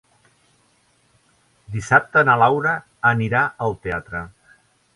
Dissabte na Laura anirà al teatre.